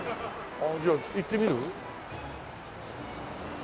ああじゃあ行ってみる？